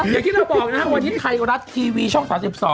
อย่างที่เราบอกนะวันนี้ไทยรัฐทีวีช่อง๓๒